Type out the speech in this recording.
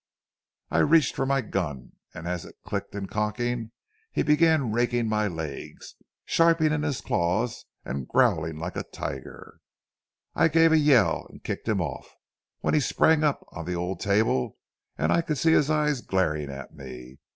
I reached for my gun, and as it clicked in cocking, he began raking my legs, sharpening his claws and growling like a tiger. I gave a yell and kicked him off, when he sprang up on the old table and I could see his eyes glaring at me.